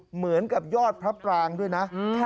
เหมือนกับยอดพระปรางด้วยนะ